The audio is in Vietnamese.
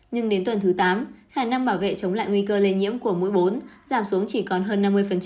nhưng đến tuần thứ tám khả năng bảo vệ chống lại nguy cơ lây nhiễm của mũi bốn giảm xuống chỉ còn hơn năm mươi